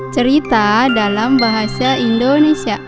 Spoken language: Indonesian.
cerita dalam bahasa indonesia